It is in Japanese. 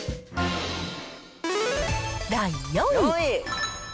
第４位。